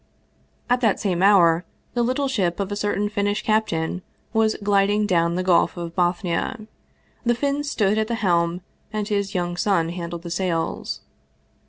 At that same hour the little ship of a certain Finnish cap tain was gliding down the Gulf of Bothnia. The Finn stood at the helm and his young son handled the sails.